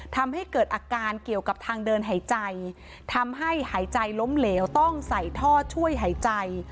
ทำให้เกิดอาการเกี่ยวกับทางเดินหายใจทำให้หายใจล้มเหลวต้องใส่ท่อช่วยหายใจ